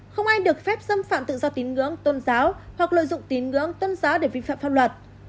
không ai được phép xâm phạm tự do tín ngưỡng tôn giáo hoặc lợi dụng tín ngưỡng tôn giáo để vi phạm pháp luật